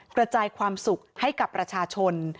กระจายความสุขให้กับประชาชน